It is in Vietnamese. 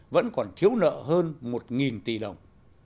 vẫn còn thiếu nợ hơn một tỷ đồng